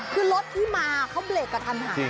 คือรถที่มาเขาเบรกกับทางหา